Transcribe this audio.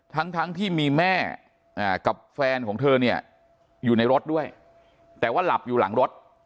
ทั้งที่มีแม่กับแฟนของเธอเนี่ยอยู่ในรถด้วยแต่ว่าหลับอยู่หลังรถ